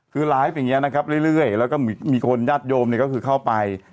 คือไลฟ์อย่างนี้นะครับเรื่อยแล้วก็มีคนญาติโยมเนี่ยก็คือเข้าไป